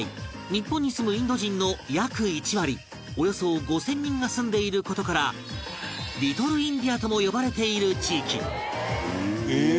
日本に住むインド人の約１割およそ５０００人が住んでいる事からリトルインディアとも呼ばれている地域